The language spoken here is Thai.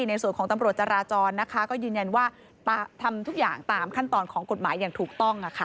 ในส่วนของตำรวจจราจรนะคะก็ยืนยันว่าทำทุกอย่างตามขั้นตอนของกฎหมายอย่างถูกต้อง